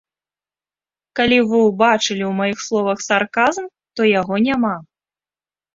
Калі вы ўбачылі ў маіх словах сарказм, то яго няма.